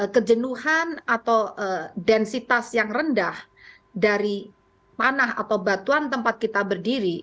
kejenuhan atau densitas yang rendah dari panah atau batuan tempat kita berdiri